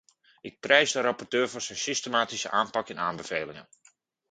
Ik prijs de rapporteur voor zijn systematische aanpak en aanbevelingen.